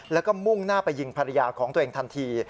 แล้วก็มุ่งหน้าไปยิงภรรยาของตัวเองทันที